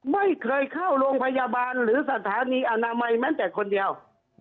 ไม่เคยเข้าโรงพยาบาลหรือสถานีอนามัยแม้แต่คนเดียว